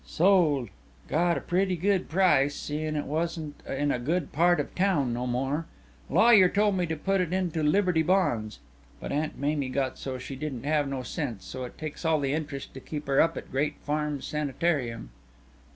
"Sold. Got a pretty good price, seein' it wasn't in a good part of town no more. Lawyer told me to put it into Liberty bonds. But Aunt Mamie got so she didn't have no sense, so it takes all the interest to keep her up at Great Farms Sanitarium.